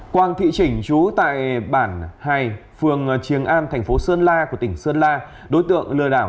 quang thị chỉnh trú tại bản hai phường trường an tp sơn la của tỉnh sơn la đối tượng lừa đảo